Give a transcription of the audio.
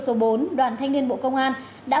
số bốn đoàn thanh niên bộ công an đã